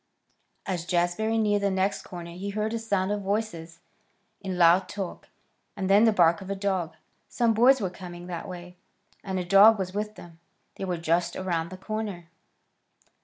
As Jazbury neared the next corner he heard a sound of voices in loud talk, and then the bark of a dog. Some boys were coming that way, and a dog was with them. They were just around the corner.